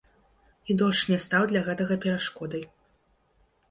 І дождж не стаў для гэтага перашкодай.